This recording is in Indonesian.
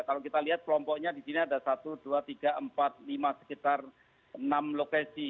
kalau kita lihat kelompoknya di sini ada satu dua tiga empat lima sekitar enam lokasi